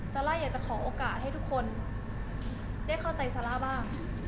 ซาร่าอยากจะขอโอกาสให้ทุกคนได้เข้าใจซาร่าบ้าง